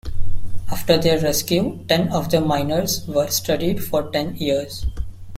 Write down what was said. After their rescue, ten of the miners were studied for ten years.